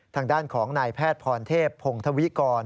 ทางด้านของนายแพทย์พรเทพพงธวิกร